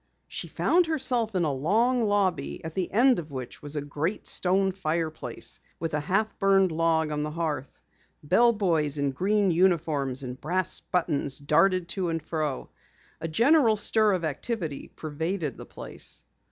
She found herself in a long lobby at the end of which was a great stone fireplace with a half burned log on the hearth. Bellboys in green uniforms and brass buttons darted to and fro. A general stir of activity pervaded the place.